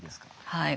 はい。